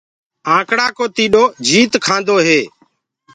آنڪڙآ مي ٽيڏو جيت ڪآندو هي۔